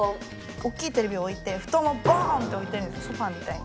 大きいテレビを置いて布団をぼーんと置いてるんです、ソファーみたいに。